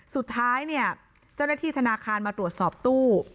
สุดท้ายเนี่ยเจ้าหน้าที่ธนาคารมาตรวจสอบตู้